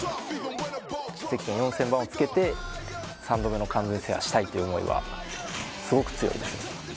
ゼッケン４０００番を着けて３度目の完全制覇したいという思いはすごく強いです